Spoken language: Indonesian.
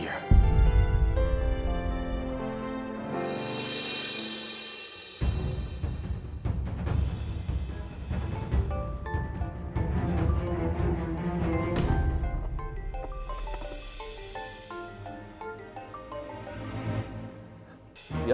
sampai kita benzerman